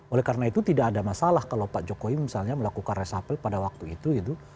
oleh karena itu tidak ada masalah kalau pak jokowi misalnya melakukan resapel pada waktu itu gitu